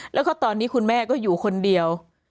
แล้วก็ตอนนี้คุณแม่ก็อยู่คนเดียว